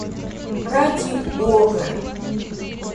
Ради Бога!..